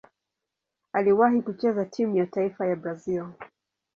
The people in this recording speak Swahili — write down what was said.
Aliwahi kucheza timu ya taifa ya Brazil.